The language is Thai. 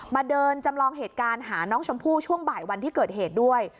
เดินจำลองเหตุการณ์หาน้องชมพู่ช่วงบ่ายวันที่เกิดเหตุด้วย